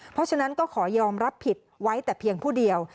เพราะฉะนั้นก็ขอยอมรับผิดไว้แต่เพียงผู้เดียว